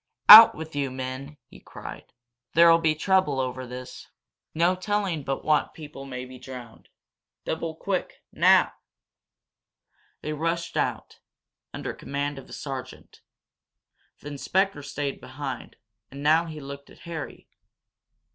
"Out with you, men!" he cried. "There'll be trouble over this no telling but what people may be drowned. Double quick, now!" They rushed out, under command of a sergeant. The inspector stayed behind, and now he looked at Harry.